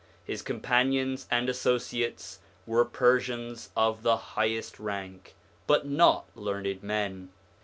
His companions and associates were Persians of the highest rank, but not learned men.